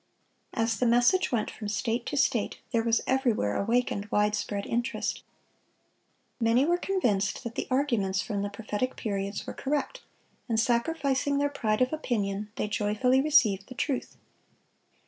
As the message went from State to State, there was everywhere awakened wide spread interest. Many were convinced that the arguments from the prophetic periods were correct, and sacrificing their pride of opinion, they joyfully received the truth.